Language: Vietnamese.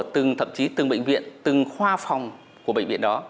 thậm chí từng bệnh viện từng khoa phòng của bệnh viện đó